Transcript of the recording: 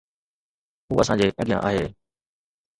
هو اسان جي اڳيان آهي.